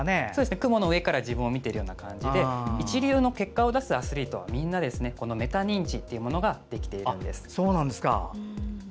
雲の上から自分を見ている感じで一流の結果を出すアスリートはみんなメタ認知ができているんです。